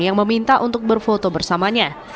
yang meminta untuk berfoto bersamanya